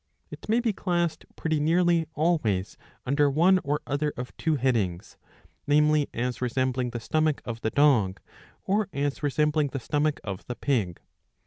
^* It may be classed pretty nearly always under one or other of two headings, namely as resembling the stomach of the dog, or as resembling the stomach of the pig.